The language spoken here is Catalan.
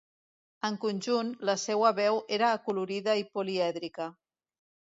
En conjunt, la seua veu era acolorida i polièdrica.